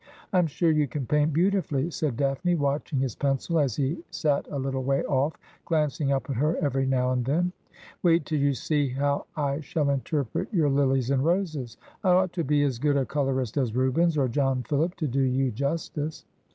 ' I'm sure you can paint beautifully,' said Daphne, watching his pencU as he sat a little way ofE, glancing up at her every now and then. ' Wait tiU you see how I shall interpret your lilies and roses. I ought to be as good a colourist as Rubens or John Phillip to do you justice.'